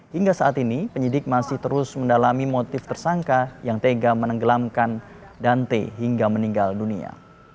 hingga saat ini penyidik masih terus mendalami motif tersangka yang tega menenggelamkan dan t hingga meninggal dunia